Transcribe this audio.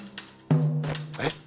え？